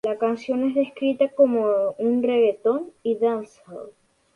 La canción es descrita como un reggaeton y dancehall.